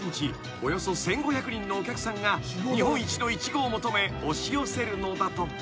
およそ１，５００人のお客さんが日本一のイチゴを求め押し寄せるのだとか］